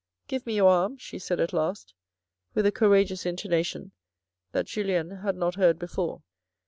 " Give me your arm," she said at last, with a courageous intonation that Julien had not heard before.